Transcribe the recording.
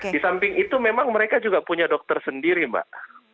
di samping itu memang mereka juga punya dokter sendiri mbak